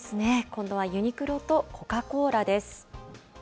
今度はユニクロとコカ・コーラです。